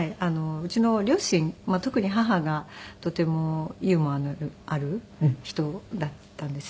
うちの両親特に母がとてもユーモアのある人だったんですね。